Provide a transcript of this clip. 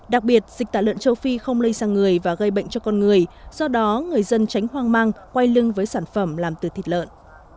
đặc biệt dịch tả lợn châu phi không lây sang người và gây bệnh cho con người do đó người dân tránh hoang mang quay lưng với sản phẩm làm từ thịt lợn